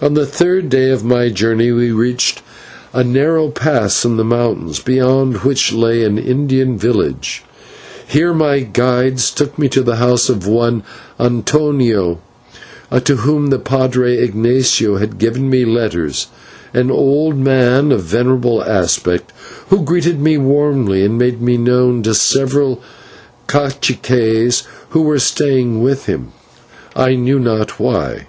On the third day of my journey we reached a narrow pass in the mountains, beyond which lay an Indian village. Here my guides took me to the house of one Antonio, to whom the /padre/ Ignatio had given me letters, an old man of venerable aspect, who greeted me warmly, and made me known to several /caciques/ who were staying with him, I knew not why.